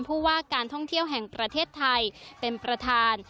ผู้ว่าการท่องเที่ยวแห่งประเทศไทยเป็นประธาน